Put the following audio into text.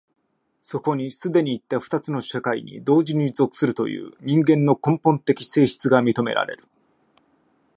そこに既にいった二つの社会に同時に属するという人間の根本的性質が認められる。